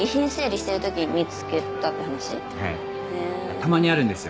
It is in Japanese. たまにあるんですよ